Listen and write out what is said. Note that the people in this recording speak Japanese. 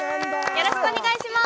よろしくお願いします！